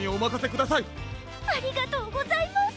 ありがとうございます。